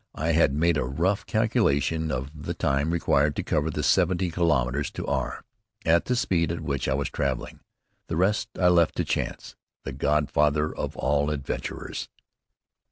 I had made a rough calculation of the time required to cover the seventy kilometres to R at the speed at which I was traveling. The rest I left to Chance, the godfather of all adventurers.